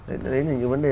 đấy là những vấn đề